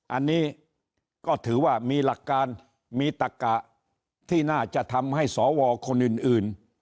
อันนี้ก็ถือว่ามีหลักการมีตักกะที่น่าจะทำให้สวคนอื่น